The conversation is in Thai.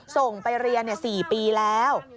ส่งไปเรียน๔ปีแล้ว